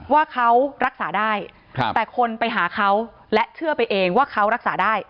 ว่าเขารักษาได้แต่คนไปหาเขาและเชื่อไปเองว่าเขารักษาได้